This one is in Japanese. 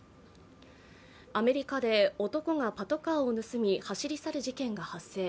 アメリカで男がパトカーを盗み走り去る事件が発生。